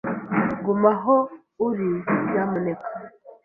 Guma aho uri, nyamuneka.